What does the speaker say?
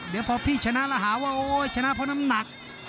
เดี๋ยวพอพี่ชนะแล้วหาว่าโอ๊ยชนะเพราะน้ำหนัก